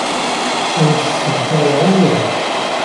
Ur as-sseɣtayeɣ i yiwen.